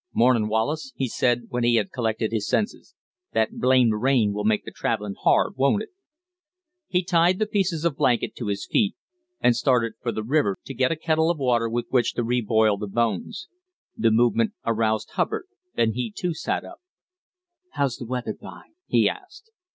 "Mornin', Wallace," he said, when he had collected his senses, "that blamed rain will make the travellin' hard, won't it?" He tied the pieces of blanket to his feet, and started for the river to get a kettle of water with which to reboil the bones. The movement aroused Hubbard, and he, too, sat up. "How's the weather, b'y?" he asked.